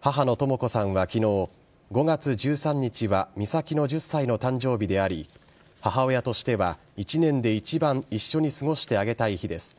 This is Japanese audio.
母のとも子さんは昨日５月１３日は美咲の１０歳の誕生日であり母親としては、１年で一番一緒に過ごしてあげたい日です。